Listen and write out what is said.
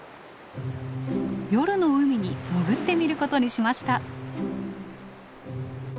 夜の海に潜ってみることにしました。